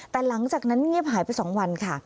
แต่หลังจากนั้นเงียบหายไป๒วันค่ะ